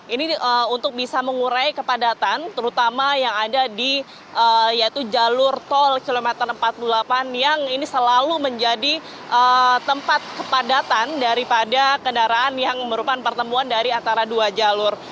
ini untuk bisa mengurai kepadatan terutama yang ada di yaitu jalur tol kilometer empat puluh delapan yang ini selalu menjadi tempat kepadatan daripada kendaraan yang merupakan pertemuan dari antara dua jalur